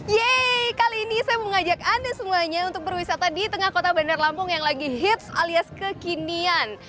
yeay kali ini saya mau ngajak anda semuanya untuk berwisata di tengah kota bandar lampung yang lagi hits alias kekinian